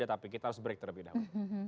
tapi kita harus break terlebih dahulu